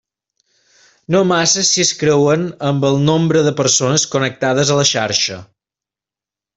No massa si es creuen amb el nombre de persones connectades a la xarxa.